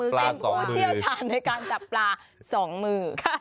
เป็นผู้เชี่ยวชาญในการจับปลา๒มือ